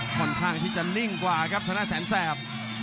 ค่อนข้างที่จะนิ่งกว่าครับชนะแสนแสบ